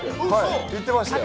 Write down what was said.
行ってましたよ。